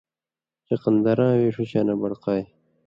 چقندراں وے ݜُوشاناں بڑقائ